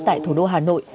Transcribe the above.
tại thủ đô hà nội